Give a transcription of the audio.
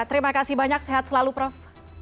terima kasih banyak sehat selalu prof